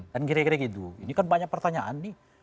dan kira kira gitu ini kan banyak pertanyaan nih